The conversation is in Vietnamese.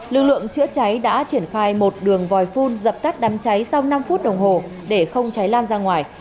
lực lượng chữa cháy đã triển khai một đường vòi phun dập tắt đám cháy sau năm phút đồng hồ để không cháy lan ra ngoài